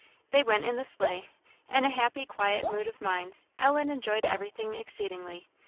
They went in the sleigh. In a happy, quiet mood of mind, Ellen enjoyed everything exceedingly.